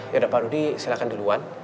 yaudah pak rudi silakan duluan